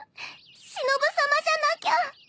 しのぶさまじゃなきゃ。